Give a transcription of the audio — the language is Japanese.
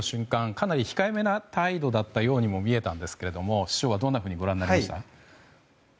かなり控えめな態度のように見えたんですけれども師匠はどんなふうにご覧になりました？